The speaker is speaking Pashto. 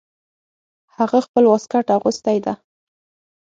هغه خپل واسکټ اغوستی ده